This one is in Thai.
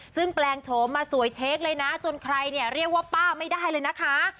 ซึ่งแปลงโฉมมาสวยเช็คเลยนะจนใครเนี่ยเรียกว่าป้าไม่ได้เลยนะคะ